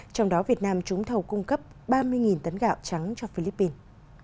trong đó việt nam trúng thầu cung cấp ba mươi tấn gạo trắng cho philippines